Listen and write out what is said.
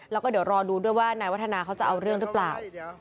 แล้วก็เดี๋ยวรอดูด้วยว่านายวัฒนาเขาจะเอาเรื่องหรือเปล่า